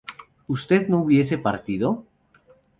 ¿usted no hubiese partido?